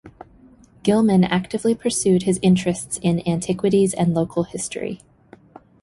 Gillman actively pursued his interests in antiquities and local history.